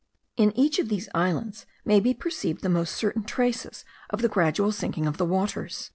In each of these islands may be perceived the most certain traces of the gradual sinking of the waters.